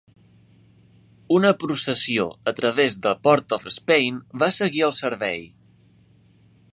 Una processió a través de Port-of-Spain va seguir el servei.